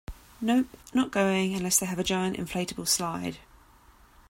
Nope, not going unless they have a giant inflatable slide.